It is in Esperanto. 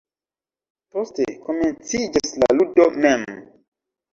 Poste komenciĝas la ludo mem.